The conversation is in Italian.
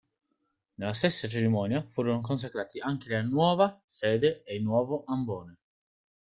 Nella stessa cerimonia furono consacrati anche la nuova sede ed il nuovo ambone.